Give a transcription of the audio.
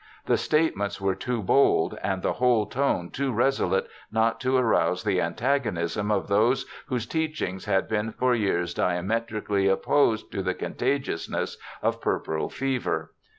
The statements OLIVER WENDELL HOLMES 63 were too bold and the whole tone too resolute not to arouse the antagonism of those whose teachings had been for years diametrically opposed to the conta giousness of puerperal fever.